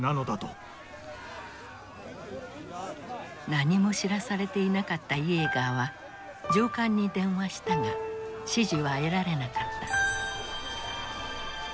何も知らされていなかったイエーガーは上官に電話したが指示は得られなかった。